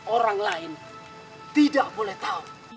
orang lain tidak boleh tahu